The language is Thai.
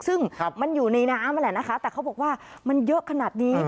ซึ่งมันอยู่ในน้ำนั่นแหละนะคะแต่เขาบอกว่ามันเยอะขนาดนี้